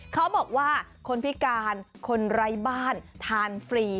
เขาบอกว่าคนพิการคนไร้บ้านทานฟรี